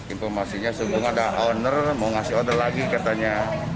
informasinya sebelumnya ada owner mau ngasih order lagi katanya